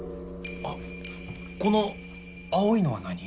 あっこの青いのは何？